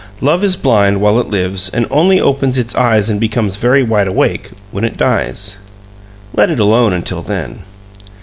Love is blind while it lives and only opens its eyes and becomes very wide awake when it dies. Let it alone until then.